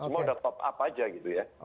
cuma sudah top up aja gitu ya